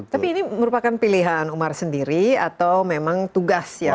tapi ini merupakan pilihan umar sendiri atau memang tugas ya